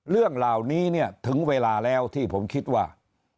เรื่องเหล่านี้เนี่ยถึงเวลาแล้วที่ผมคิดว่า